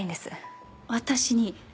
私に？